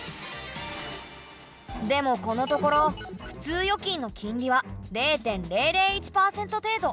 でもこのところ普通預金の金利は０．００１％程度。